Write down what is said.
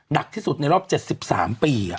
หนักที่สุดในรอบ๗๓ปี